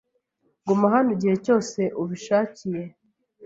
Guma hano igihe cyose ubishakiye.